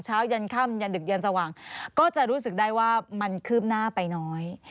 ยันค่ำยันดึกยันสว่างก็จะรู้สึกได้ว่ามันคืบหน้าไปน้อย